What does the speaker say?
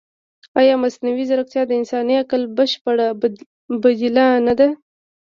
ایا مصنوعي ځیرکتیا د انساني عقل بشپړه بدیله نه ده؟